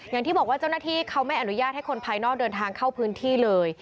อย่างที่บอกว่าเจ้าหน้าที่เขาไม่อนุญาตให้คนภายนอกเดินทางเข้าพื้นที่เลย